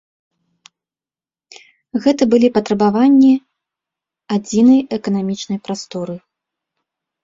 Гэта былі патрабаванні адзінай эканамічнай прасторы!